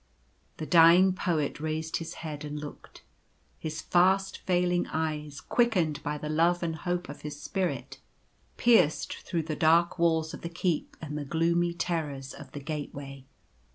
The dying Poet raised his head and looked. His fast failing eyes, quickened by the love and hope of his spirit, pierced through the dark walls of the keep and the gloomy terrors of the gateway.